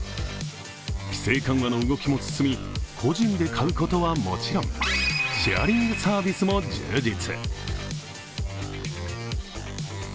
規制緩和の動きも進み個人で買うことはもちろんシェアリングサービスも充実。